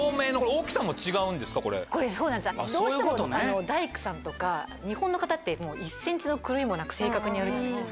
これそうなんですどうしても大工さんとか日本の方って１ｃｍの狂いもなく正確にやるじゃないですか。